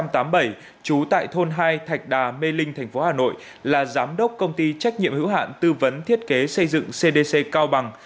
trú tại thôn hai thạch đà mê linh thành phố hà nội là giám đốc công ty trách nhiệm hữu hạn tư vấn thiết kế xây dựng cdc cao bằng